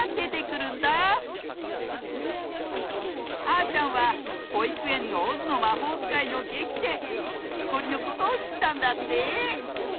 あーちゃんはほいくえんの「オズのまほうつかい」のげきできこりのことをしったんだって。